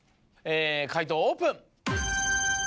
解答オープン。